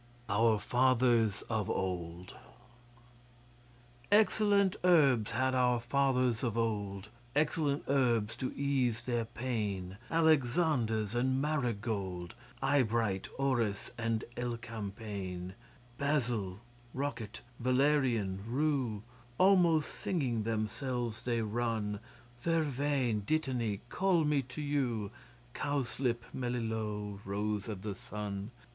'Our Fathers of Old' Excellent herbs had our fathers of old Excellent herbs to ease their pain Alexanders and Marigold, Eyebright, Orris, and Elecampane, Basil, Rocket, Valerian, Rue, (Almost singing themselves they run) Vervain, Dittany, Call me to you Cowslip, Melilot, Rose of the Sun.